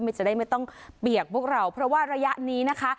มันจะได้ไม่ต้องเปียกพวกเราเพราะว่าระยะนี้นะคะ